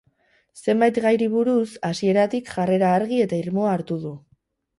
Zenbait gairi buruz, hasieratik jarrera argi eta irmoa hartu du.